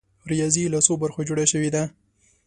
ریاضي له څو برخو جوړه شوې ده؟